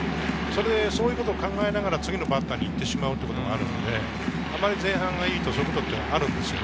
そういうことを考えながら次のバッターに行ってしまうことがあるので、あまり前半がいいと、そういうことがあります。